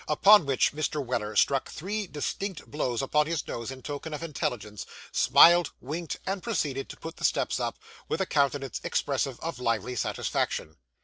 Upon which Mr. Weller struck three distinct blows upon his nose in token of intelligence, smiled, winked, and proceeded to put the steps up, with a countenance expressive of lively satisfaction.